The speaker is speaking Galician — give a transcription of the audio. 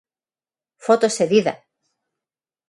Foto cedida.